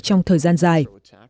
trong thời gian dài